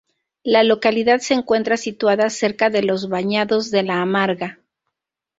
La localidad se encuentra situada cerca de los bañados de La Amarga.